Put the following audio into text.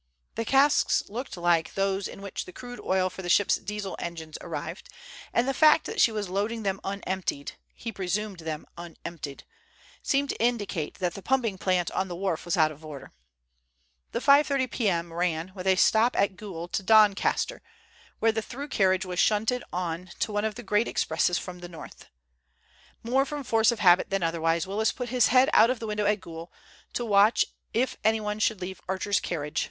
The casks looked like those in which the crude oil for the ship's Diesel engines arrived, and the fact that she was loading them unemptied—he presumed them unemptied—seemed to indicate that the pumping plant on the wharf was out of order. The 5.3 p.m. ran, with a stop at Goole, to Doncaster, where the through carriage was shunted on to one of the great expresses from the north. More from force of habit than otherwise, Willis put his head out of the window at Goole to watch if anyone should leave Archer's carriage.